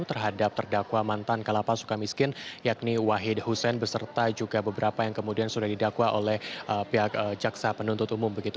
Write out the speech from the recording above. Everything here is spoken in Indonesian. terhadap terdakwa mantan kalapas suka miskin yakni wahid hussein beserta juga beberapa yang kemudian sudah didakwa oleh pihak jaksa penuntut umum begitu